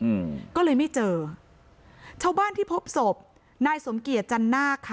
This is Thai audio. อืมก็เลยไม่เจอชาวบ้านที่พบศพนายสมเกียจจันนาคค่ะ